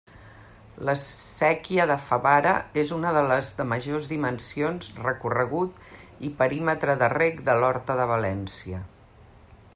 La séquia de Favara és una de les de majors dimensions, recorregut i perímetre de reg de l'horta de València.